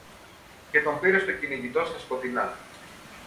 και τον πήρε στο κυνηγητό στα σκοτεινά